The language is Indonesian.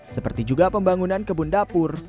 seperti juga pembangunan kebun dapur